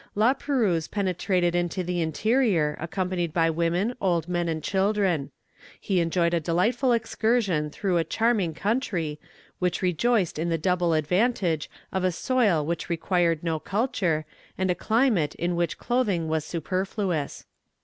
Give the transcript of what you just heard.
La Perouse penetrated into the interior, accompanied by women, old men, and children. He enjoyed a delightful excursion through a charming country, which rejoiced in the double advantage of a soil which required no culture, and a climate in which clothing was superfluous.